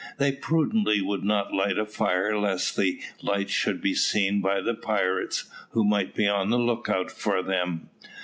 They prudently would not light a fire lest the light should be seen by the pirates, who might be on the lookout for them.